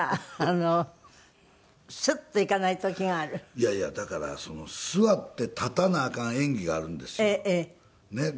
いやいやだから座って立たなあかん演技があるんですよ。